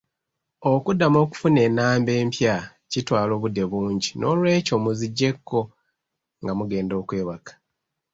Okuddamu okufuna ennamba empya kitwala obudde bungi noolwekyo mu ziggyeeko nga mugenda okwebaka.